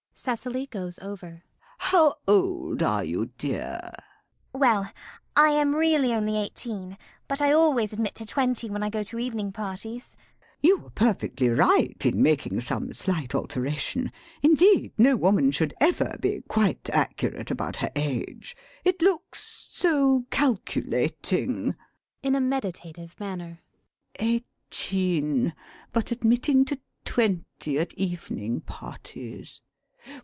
[Cecily goes over.] How old are you, dear? CECILY. Well, I am really only eighteen, but I always admit to twenty when I go to evening parties. LADY BRACKNELL. You are perfectly right in making some slight alteration. Indeed, no woman should ever be quite accurate about her age. It looks so calculating ... [In a meditative manner.] Eighteen, but admitting to twenty at evening parties.